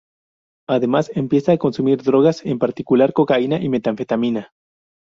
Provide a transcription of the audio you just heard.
Además, empieza a consumir drogas, en particular cocaína y metanfetamina.